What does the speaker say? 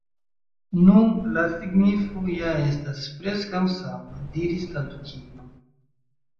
"Nu, la signifo ja estas preskaŭ sama," diris la Dukino